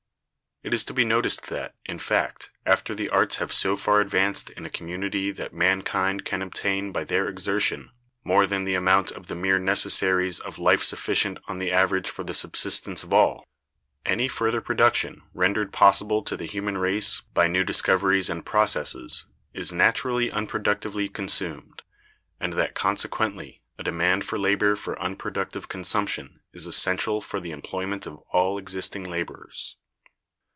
It is to be noticed that, in fact, after the arts have so far advanced in a community that mankind can obtain by their exertion more than the amount of the mere necessaries of life sufficient on the average for the subsistence of all, any further production rendered possible to the human race by new discoveries and processes is naturally unproductively consumed, and that consequently a demand for labor for unproductive consumption is essential for the employment of all existing laborers.